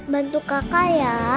bantu kakak ya